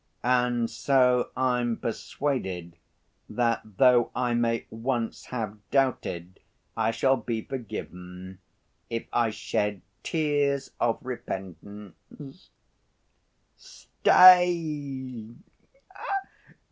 And so I'm persuaded that though I may once have doubted I shall be forgiven if I shed tears of repentance." "Stay!"